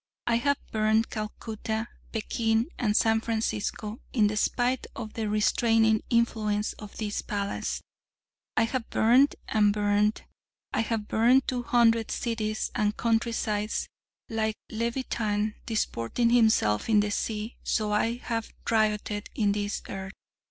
I have burned Calcutta, Pekin, and San Francisco. In spite of the restraining influence of this palace, I have burned and burned. I have burned two hundred cities and countrysides. Like Leviathan disporting himself in the sea, so I have rioted in this earth.